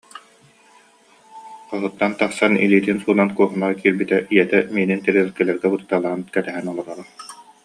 Хоһуттан тахсан, илиитин суунан куухунаҕа киирбитэ, ийэтэ миинин тэриэлкэлэргэ кутуталаан кэтэһэн олороро